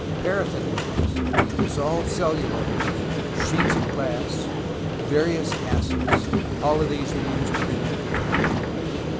Paraffin wax, dissolved celluloid, sheets of glass, various acids, are used to prevent decay.